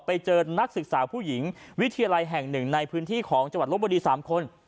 ไปเจอนักศึกษาผู้หญิงวิทยาลัยแห่งหนึ่งในพื้นที่ของจังหวัดลบบุรี๓คน